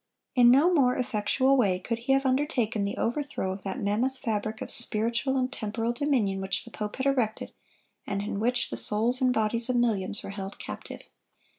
In no more effectual way could he have undertaken the overthrow of that mammoth fabric of spiritual and temporal dominion which the pope had erected, and in which the souls and bodies of millions were held captive.